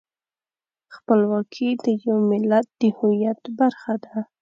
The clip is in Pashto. خپلواکي د یو ملت د هویت برخه ده.